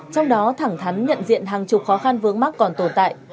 trong đó thẳng thắn nhận diện hàng chục khó khăn vướng mắt còn tồn tại